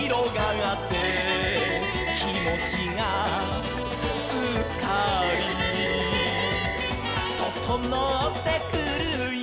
「きもちがすっかり」「ととのってくるよ」